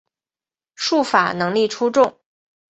术法能力出众。